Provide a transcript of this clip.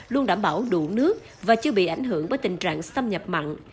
luôn đảm bảo đủ nước và chưa bị ảnh hưởng bởi tình trạng xâm nhập mặn